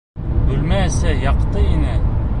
Бүлмә эсе яҡты ине.